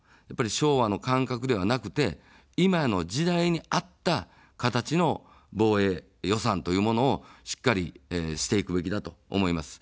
昭和の感覚ではなくて、今の時代に合った形の防衛予算というものをしっかりしていくべきだと思います。